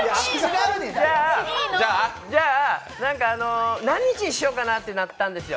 じゃあ、何か、何日にしようかなってなったんですよ。